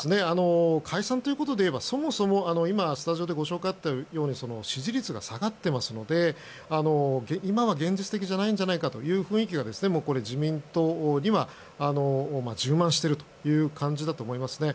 解散ということでいえばそもそもスタジオでご紹介があったように支持率が下がっていますので今は現実的じゃないんじゃないかという雰囲気が自民党には充満しているという感じだと思いますね。